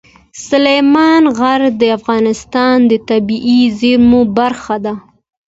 سلیمان غر د افغانستان د طبیعي زیرمو برخه ده.